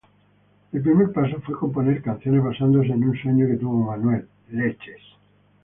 El primer paso fue componer canciones basándose en un sueño que tuvo Manuel "Leches".